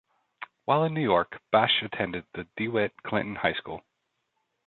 While in New York, Basch attended the De Witt Clinton High School.